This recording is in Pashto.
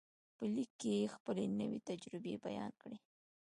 په لیک کې یې خپلې نوې تجربې بیان کړې